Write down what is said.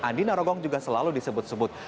andi narogong juga selalu disebut sebut